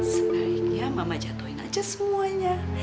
sebaiknya mama jatuhin aja semuanya